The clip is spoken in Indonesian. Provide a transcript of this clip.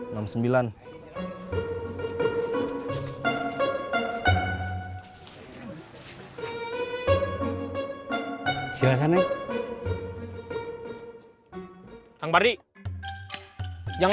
maksudnya suami baru